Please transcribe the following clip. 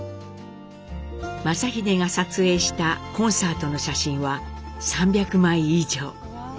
正英が撮影したコンサートの写真は３００枚以上。